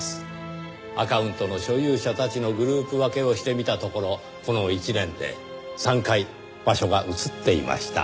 アカウントの所有者たちのグループ分けをしてみたところこの一年で３回場所が移っていました。